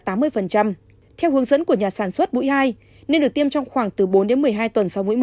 theo hướng dẫn của nhà sản xuất mũi hai nên được tiêm trong khoảng từ bốn đến một mươi hai tuần sau mỗi một